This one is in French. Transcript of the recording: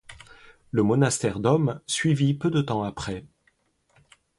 Le monastère d'hommes suivit peu de temps après.